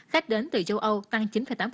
khách đến từ châu âu tăng chín tám